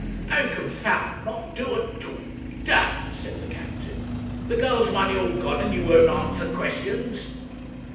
'Oh, confound, not do at all; d ,' said the captain. 'The girl's money all gone, and you won't answer questions!'